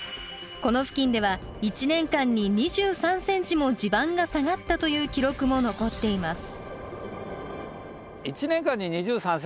この付近では１年間に２３センチも地盤が下がったという記録も残っています。